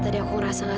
terima kasih kak